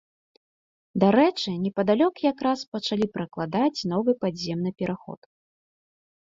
Дарэчы, непадалёк якраз пачалі пракладаць новы падземны пераход.